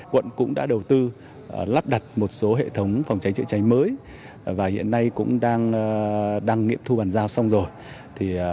quận cũng đã đầu tư lắp đặt một số hệ thống phòng cháy chữa cháy mới và hiện nay cũng đang nghiệm thu bàn giao xong rồi